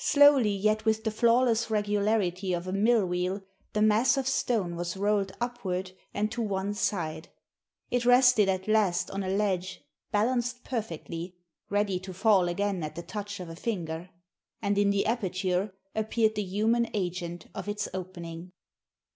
Slowly, yet with the flawless regularity of a millwheel, the mass of stone was rolled upward and to one side; it rested at last on a ledge, balanced perfectly, ready to fall again at the touch of a finger; and in the aperture appeared the human agent of its opening.